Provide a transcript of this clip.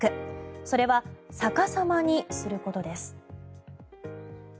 それは逆さまにすることです。